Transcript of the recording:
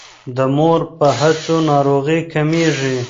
د مور په هڅو ناروغۍ کمیږي.